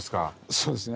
そうですね。